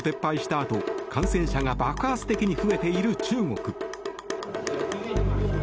あと感染者が爆発的に増えている中国。